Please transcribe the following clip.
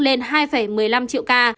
lên hai một mươi năm triệu ca